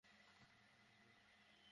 মেয়েরা, চলো।